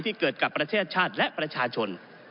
ก็ได้มีการอภิปรายในภาคของท่านประธานที่กรกครับ